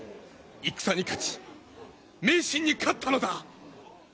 戦に勝ち迷信に勝ったのだ！